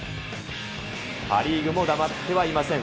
パ・リーグも黙ってはいません。